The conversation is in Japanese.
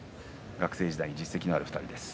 学生時代に実績のある２人です。